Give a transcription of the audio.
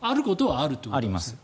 あります。